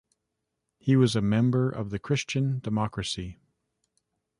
He was a member of the Christian Democracy.